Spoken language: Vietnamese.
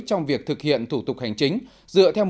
trong việc thực hiện thủ tục hành chính